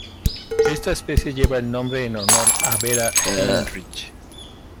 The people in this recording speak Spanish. Esta especie lleva el nombre en honor a Vera Heinrich.